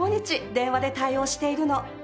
電話で対応しているの。